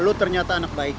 lo ternyata anak baik